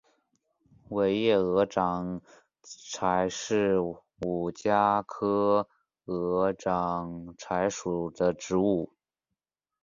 尾叶鹅掌柴是五加科鹅掌柴属的植物。